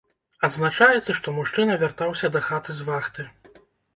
Адзначаецца, што мужчына вяртаўся дахаты з вахты.